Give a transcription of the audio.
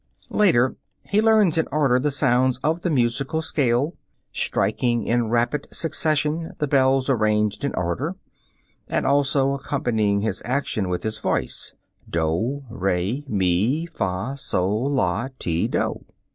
Later, he learns in order the sounds of the musical scale, striking in rapid succession the bells arranged in order, and also accompanying his action with his voice doh, re, mi, fah, soh, lah, ti, doh.